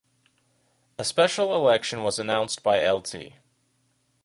A special election was announced by Lt.